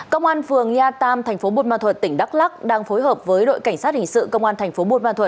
công an phường nha tam thành phố bột ma thuật tỉnh đắk lắc đang phối hợp với đội cảnh sát hình sự công an thành phố bột ma thuật